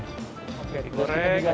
oke digoreng ada kerang